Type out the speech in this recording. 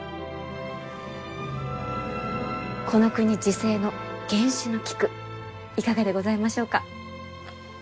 この国自生の原種の菊いかがでございましょうか？